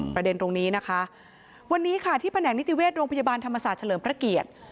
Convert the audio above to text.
ประเด็นตรงนี้นะคะวันนี้ค่ะที่แผนกนิติเวชโรงพยาบาลธรรมศาสตร์เฉลิมพระเกียรติ